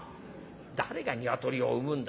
「誰がニワトリを産むんだ。